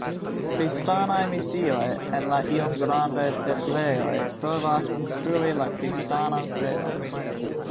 Kristanaj misioj en la iom grandaj setlejoj provas instrui la kristanan kredon.